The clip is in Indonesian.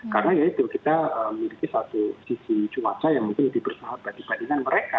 karena ya itu kita memiliki satu sisi cuaca yang mungkin lebih bersahabat dibandingkan mereka